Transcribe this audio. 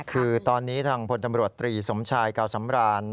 คือตอนนี้ทางพลตำรวจตรีสมชายเก่าสำราน